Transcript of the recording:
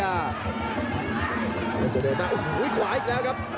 จะเดินนะอุ้ยขวาอีกแล้วครับ